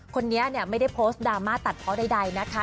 คนนี้ไม่ได้โพสต์ดราม่าตัดเพราะใดนะคะ